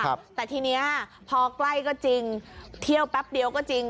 ครับแต่ทีเนี้ยพอใกล้ก็จริงเที่ยวแป๊บเดียวก็จริง